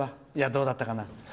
どうだったかな？